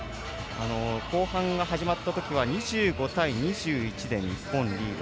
後半が始まったときは２５対２１で日本、リード。